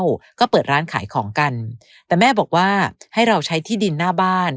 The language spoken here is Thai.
แล้วก็เปิดร้านขายของกันแต่แม่บอกว่าให้เราใช้ที่ดินหน้าบ้าน